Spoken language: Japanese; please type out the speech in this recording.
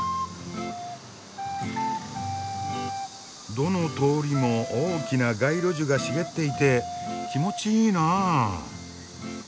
どの通りも大きな街路樹が茂っていて気持ちいいなあ。